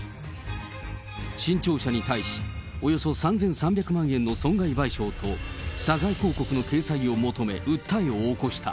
新潮社に対し、およそ３３００万円の損害賠償と謝罪広告の掲載を求め、訴えを起こした。